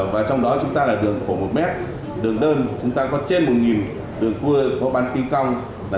và trong đó chúng ta là đường khổ một m đường đơn chúng ta có trên một đường cua có ban tinh công